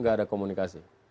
nggak ada komunikasi